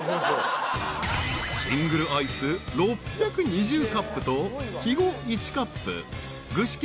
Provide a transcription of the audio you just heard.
［シングルアイス６２０カップと肥後１カップ具志堅２カップ］